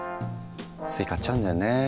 つい買っちゃうんだよね。